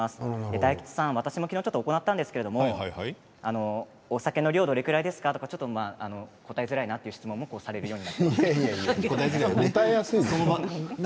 大吉さん私も昨日行ったんですけれどお酒の量はどれくらいですかとか答えづらいなという質問も答えやすいでしょう。